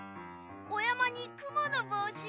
おやまにくものぼうし！